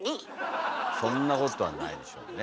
そんなことはないでしょうね。